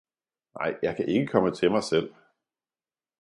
Nej, jeg kan ikke komme til mig selv!